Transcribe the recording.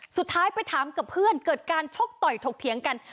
สุดท้ายไปถามกับเพื่อนเกิดการชกต่อยถกเถียงกัน